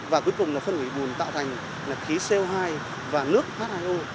và cuối cùng nó phân hủy bùn tạo thành khí co hai và nước h hai o